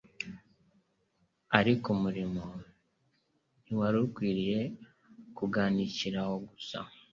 Ariko umurimo ntiwari ukwiriye kuganikira aho gusa,